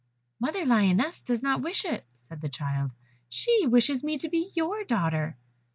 "Mother lioness does not wish it," said the child, "she wishes me to be your daughter."